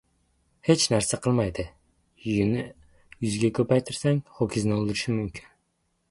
“Hech narsa qilmaydi”ni yuzga koʻpaytirsang, hoʻkizni oʻldirishi mumkin.